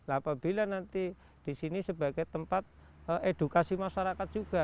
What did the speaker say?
apabila nanti di sini sebagai tempat edukasi masyarakat juga